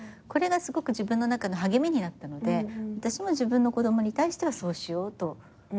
これがすごく自分の中の励みになったので私も自分の子供に対してはそうしようと。